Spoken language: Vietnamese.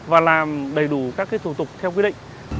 và làm đầy đủ các cái thủ tục theo quyết định